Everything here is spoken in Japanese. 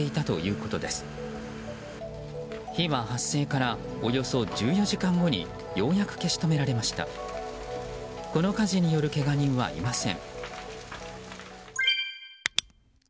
この火事によるけが人はいません。